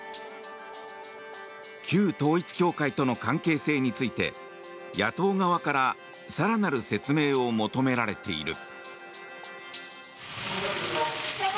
旧統一教会との関係性について野党側から更なる説明を求められている。